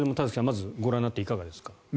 まずご覧になっていかがですか。